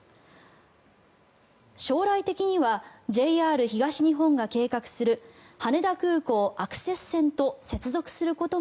将来的にはＪＲ東日本が計画する羽田空港アクセス線と